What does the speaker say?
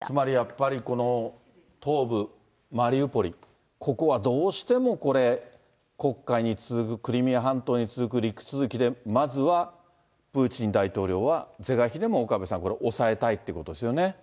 つまりやっぱり、この東部マリウポリ、ここはどうしてもこれ、黒海に続く、クリミア半島に陸続きで、まずはプーチン大統領は是が非でも、岡部さん、これ、押さえたいということですよね。